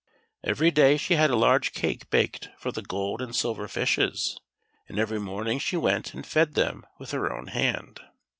Every day she had a large cake baked for the gold and silver fishes, and every morning she went and fed them with her own hand.